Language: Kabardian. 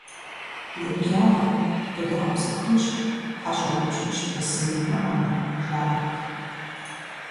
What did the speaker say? «Еблагъэ, зодгъэгъэпсэхунщ, хьэщӀэ утщӀынщ, бысым уимыӀэмэ!» - жаӀэрт.